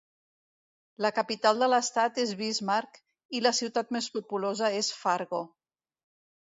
La capital de l'estat és Bismarck i la ciutat més populosa és Fargo.